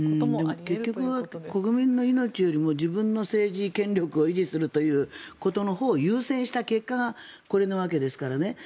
結局、国民の命よりも自分の政治権力を維持するということを優先した結果がこれなわけですからね。